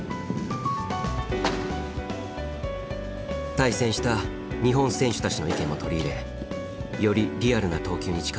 対戦した日本選手たちの意見も取り入れよりリアルな投球に近づけています。